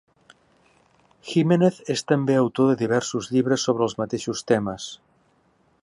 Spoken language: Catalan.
Jiménez és també autor de diversos llibres sobre els mateixos temes.